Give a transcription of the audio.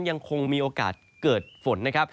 ยังคงมีโอกาสเกิดฝน